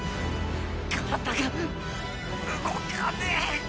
体が動かねえ。